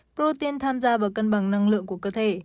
protein tham gia vào cân bằng năng lượng của cơ thể